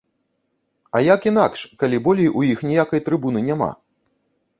А як інакш, калі болей у іх ніякай трыбуны няма?